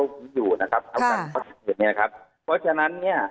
เพราะฉะนั้น